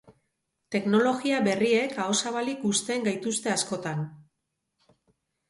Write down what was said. Teknologia berriek ahozabalik uzten gaituzte askotan.